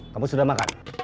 kamu sudah makan